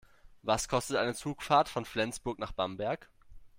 Was kostet eine Zugfahrt von Flensburg nach Bamberg?